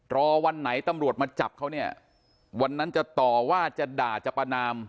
วันไหนตำรวจมาจับเขาเนี่ยวันนั้นจะต่อว่าจะด่าจะประนาม